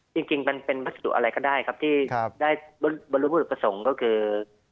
จริงมันเป็นพัสดุอะไรก็ได้ครับที่ได้บรรลุประสงค์ก็คือ